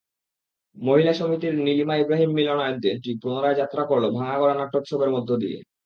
মহিলা সমিতির নীলিমা ইব্রাহীম মিলনায়তনটি পুনরায় যাত্রা করল ভাঙা-গড়া নাট্যোৎসবের মধ্য দিয়ে।